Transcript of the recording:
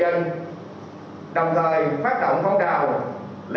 đồng thời phát động phong trào lấy sức dân chăm lo cho nhân dân và quy động tất cả những gì có thể